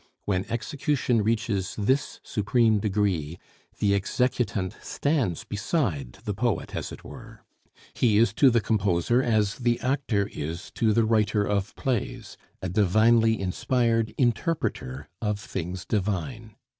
When execution reaches this supreme degree, the executant stands beside the poet, as it were; he is to the composer as the actor is to the writer of plays, a divinely inspired interpreter of things divine.